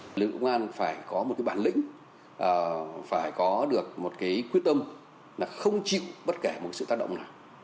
lực lượng công an phải có một bản lĩnh phải có được quyết tâm không chịu bất kể sự tác động nào